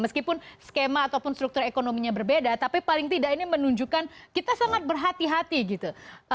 meskipun skema ataupun struktur ekonominya berbeda tapi paling tidak ini menunjukkan kita sangat berhati hati gitu